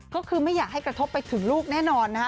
ก็คือไม่อยากให้กระทบไปถึงลูกแน่นอนนะฮะ